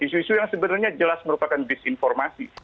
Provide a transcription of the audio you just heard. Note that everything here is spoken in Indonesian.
isu isu yang sebenarnya jelas merupakan disinformasi